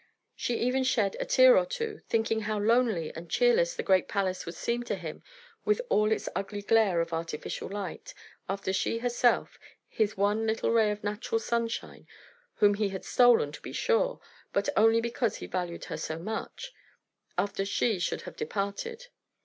She even shed a tear or two, thinking how lonely and cheerless the great palace would seem to him, with all its ugly glare of artificial light, after she herself his one little ray of natural sunshine, whom he had stolen, to be sure, but only because he valued her so much after she should have departed.